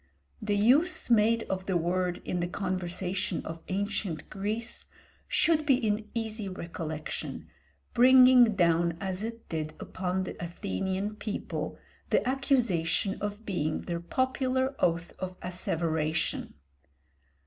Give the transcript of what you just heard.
The use made of the word in the conversation of ancient Greece should be in easy recollection, bringing down as it did upon the Athenian people the accusation of being their popular oath of asseveration.